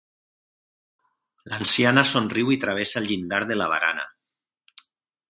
L'anciana somriu i travessa el llindar de la barana.